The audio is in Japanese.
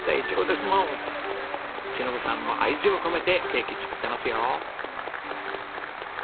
忍さんも愛情込めてケーキ作ってますよ。